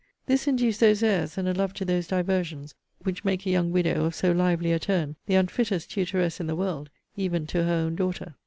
This induced those airs, and a love to those diversions, which make a young widow, of so lively a turn, the unfittest tutoress in the world, even to her own daughter.